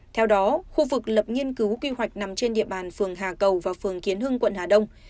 theo đó khu vực lập nghiên cứu quy hoạch nằm trên địa bàn phường hà cầu và phường kiến hưng quận hà đông